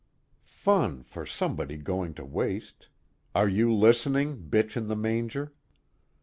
_Fun for somebody, going to waste are you listening, bitch in the manger?